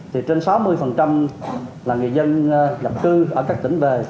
thì trên sáu mươi là người dân nhập cư ở các tỉnh về